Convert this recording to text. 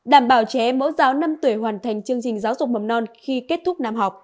đảm bảo trẻ em mẫu giáo năm tuổi hoàn thành chương trình giáo dục mầm non khi kết thúc năm học